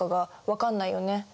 分かんないよね。